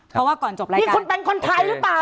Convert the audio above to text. เพราะว่าก่อนจบแล้วนี่คุณเป็นคนไทยหรือเปล่า